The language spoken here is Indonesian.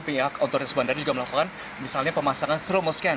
pihak otoritas bandara juga melakukan misalnya pemasangan thermal scan